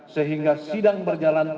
sehingga sidang berjalan